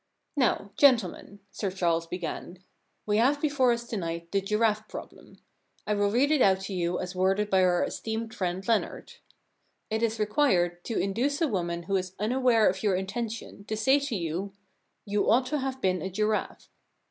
* Now, gentlemen,* Sir Charles began, * we have before us to night the Giraffe Problem. I will read it out to you as worded by our esteemed friend Leonard :It is required to induce a woman who is unaware of your intention to say to you, * You ought to have been a giraffe.'